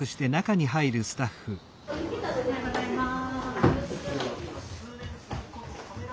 おはようございます。